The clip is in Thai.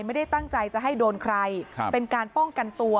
ไม่ได้ตั้งใจจะให้โดนใครครับเป็นการป้องกันตัว